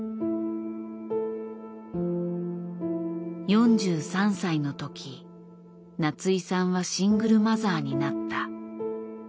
４３歳のとき夏井さんはシングルマザーになった。